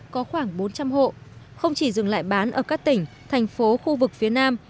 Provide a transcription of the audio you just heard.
có khoảng bốn trăm linh hộ không chỉ dừng lại bán ở các tỉnh thành phố khu vực phía nam